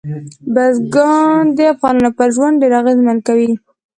بزګان د افغانانو پر ژوند ډېر اغېزمن کوي.